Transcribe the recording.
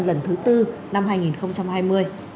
lần thứ tư năm hai nghìn hai mươi